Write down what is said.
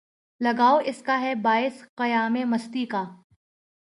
لگاؤ اس کا ہے باعث قیامِ مستی کا